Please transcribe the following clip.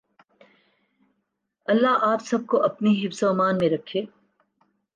اللہ آپ سب کو اپنے حفظ و ایمان میں رکھے۔